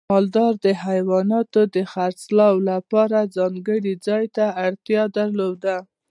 مالدار د حیواناتو د خرڅلاو لپاره ځانګړي ځای ته اړتیا درلوده.